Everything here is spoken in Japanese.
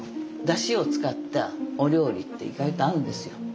だしを使ったお料理って意外と合うんですよ。